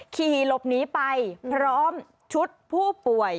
ขี่หลบหนีไปพร้อมชุดผู้ป่วย